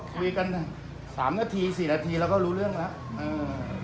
คุยกันสามนาทีสี่นาทีเราก็รู้เรื่องแล้ว